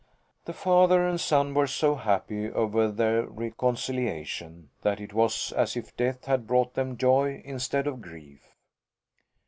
The father and son were so happy over their reconciliation that it was as if death had brought them joy instead of grief.